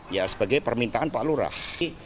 ya sebagai permintaan pak lurah